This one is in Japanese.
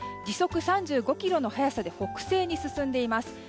時速３５キロの速さで北西に進んでいます。